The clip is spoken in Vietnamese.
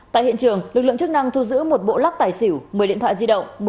tại hiện trường lực lượng chức năng thu giữ một bộ lắc tài xỉu một mươi điện thoại di động